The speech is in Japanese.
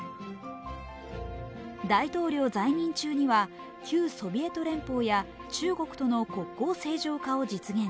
大統領在任中には旧ソビエト連邦や中国との国交正常化を実現。